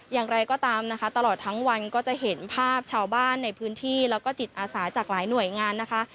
อย่างไรก็ตามนะคะตลอดทั้งวันก็จะเห็นภาพชาวบ้านในพื้นที่แล้วก็จิตอาสาจากหลายหน่วยงานนะคะ